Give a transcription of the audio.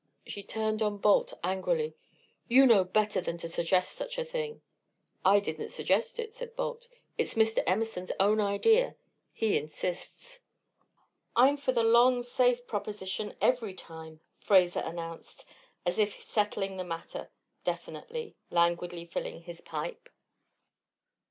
She turned on Balt, angrily. "You know better than to suggest such a thing." "I didn't suggest it," said Balt. "It's Mr. Emerson's own idea; he insists." "I'm for the long, safe proposition every time," Fraser announced, as if settling the matter definitely, languidly filling his pipe.